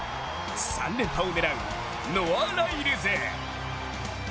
３連覇を狙うノア・ライルズ。